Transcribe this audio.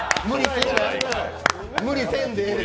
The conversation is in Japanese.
無理せんでええで。